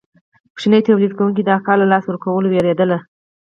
کوچني تولید کوونکي د کار له لاسه ورکولو ویریدل.